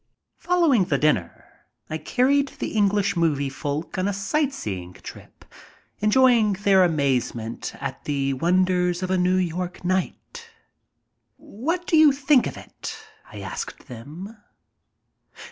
Following the dinner I carried the English movie folk on a sight seeing trip, enjoying their amazement at the wonders of a New York night. "What do you think of it?" I asked them.